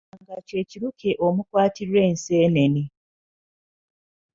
Enkanga kye kiruke omukwatirwa enseenene.